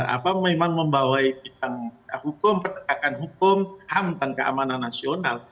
apa memang membawai bidang hukum penegakan hukum ham dan keamanan nasional